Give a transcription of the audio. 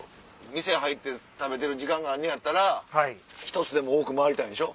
店入って食べてる時間があんねやったら１つでも多く回りたいんでしょ？